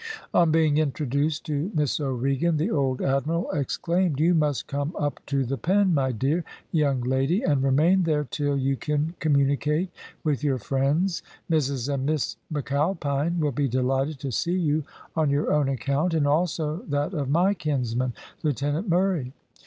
On being introduced to Miss O'Regan the old admiral exclaimed, "You must come up to the Pen, my dear young lady, and remain there till you can communicate with your friends. Mrs and Miss McAlpine will be delighted to see you on your own account, and also that of my kinsman Lieutenant Murray.